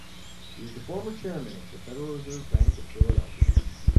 He is the former Chairman of The Federal Reserve Bank of Philadelphia.